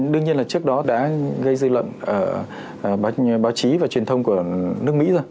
đương nhiên là trước đó đã gây dư luận báo chí và truyền thông của nước mỹ rồi